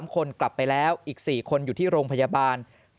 ๓คนกลับไปแล้วอีก๔คนอยู่ที่โรงพยาบาล